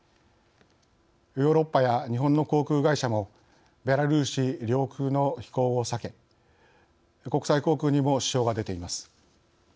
ヨーロッパや日本の航空会社もベラルーシ領空の飛行を避け国際航空にも支障が出ています。